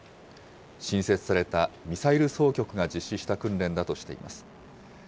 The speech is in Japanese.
新設されたミサイル総局が実施した訓練だとしています。